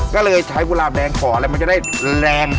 ก็เลยใช้เวลาแดงขอแล้วมันจะได้แรง